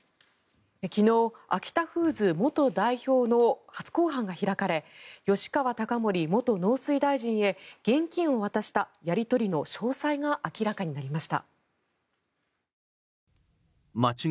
昨日アキタフーズ元代表の初公判が開かれ吉川貴盛元農水大臣へ現金を渡したやり取りの詳細が明らかになりました。